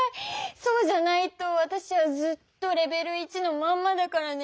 そうじゃないとわたしはずっとレベル１のまんまだからね。